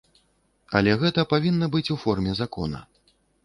Але гэта павінна быць у форме закона.